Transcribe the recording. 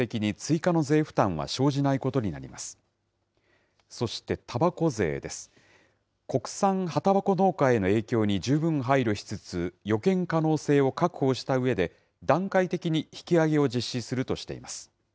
国産葉たばこ農家への影響に十分配慮しつつ、予見可能性を確保したうえで、段階的に引き上げを実施するとしています。